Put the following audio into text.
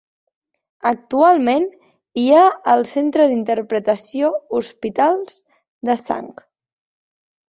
Actualment hi ha el Centre d’Interpretació Hospitals de Sang.